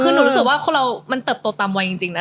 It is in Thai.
คือหนูรู้สึกว่าคนเรามันเติบโตตามวัยจริงนะ